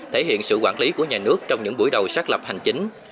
thể hiện sự quản lý của nhà nước trong những buổi đầu xác lập hành chính